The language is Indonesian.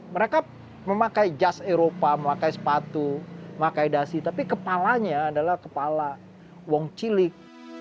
mereka memakai jas eropa memakai sepatu memakai dasi tapi kepalanya adalah kepala wong cilik